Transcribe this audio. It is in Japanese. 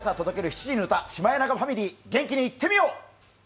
それでは毎朝届ける歌、シマエナガファミリー、元気にいってみよう！